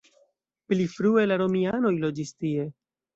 Pli frue la romianoj loĝis tie.